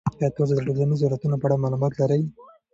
آیا تاسو د ټولنیزو ارزښتونو په اړه معلومات لرئ؟